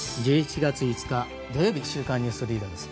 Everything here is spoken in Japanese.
１１月５日、土曜日「週刊ニュースリーダー」です。